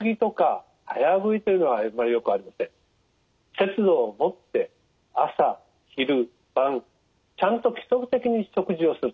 節度を持って朝昼晩ちゃんと規則的に食事をする。